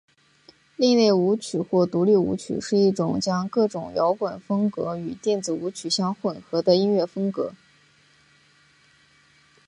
另类舞曲或独立舞曲是一种将各种摇滚风格与电子舞曲相混合的音乐风格。